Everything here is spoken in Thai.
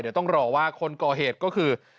เดี๋ยวต้องรอว่าคนก่อเหตุก็คือ